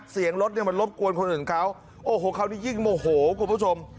เสียงรถเนี่ยมันรบกวนคนอื่นเขาโอ้โหคราวนี้ยิ่งโมโหคุณผู้ชม